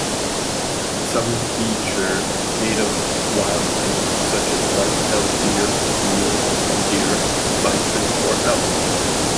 Some feature native wildlife such as whitetail deer, mule deer, bison or elk.